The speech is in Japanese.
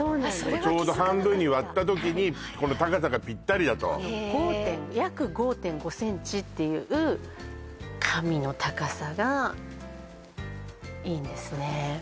ちょうど半分に割った時に高さがピッタリだと約５．５ｃｍっていう神の高さがいいんですね